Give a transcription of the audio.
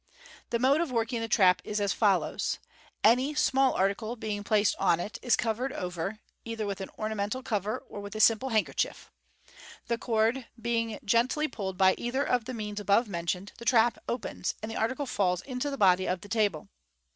The mode of working the trap is as follows ;— Any small article, being placed on it, is covered over (either with an ornamental cover or with a simple handkerchief). The cord being g. 1 tly pulled by either of the means above mentioned, the trap opens, and the article falls into the body of the table.